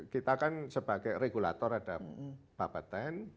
kita kan sebagai regulator ada bapak ten